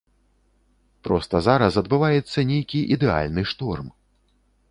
Проста зараз адбываецца нейкі ідэальны шторм.